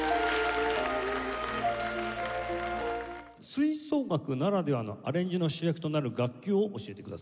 吹奏楽ならではのアレンジの主役となる楽器を教えてください。